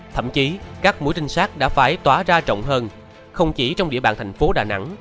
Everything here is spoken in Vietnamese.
thậm chí các mũi trinh sát đã phải tỏa ra rộng hơn không chỉ trong địa bàn thành phố đà nẵng